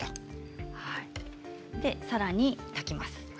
さらに炊きます。